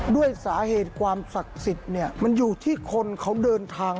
ด้วยสาเหตุความศักดิ์สิทธิ์เนี่ยมันอยู่ที่คนเขาเดินทาง